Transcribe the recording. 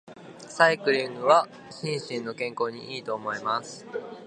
サイクリングは心身の健康に良いと思います。